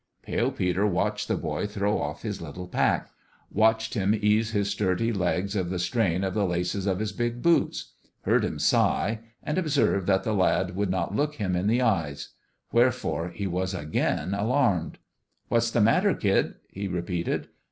Pale Peter watched the boy throw off his little pack watched him ease his sturdy legs of the strain of the laces of his big boots heard him sigh and observed that the lad would not look him in the eyes : wherefore he was again alarmed. " What's the matter, kid ?" he repeated.